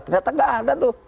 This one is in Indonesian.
ternyata nggak ada tuh